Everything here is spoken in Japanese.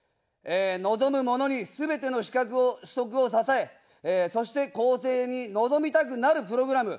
望む者に、すべての資格を、取得を支え、そして更生に臨みたくなるプログラム。